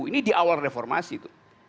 ini di awal reformasi tuh